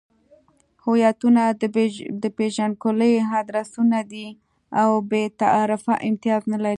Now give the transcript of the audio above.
هویتونه د پېژندګلوۍ ادرسونه دي او بې تعارفه امتیاز نلري.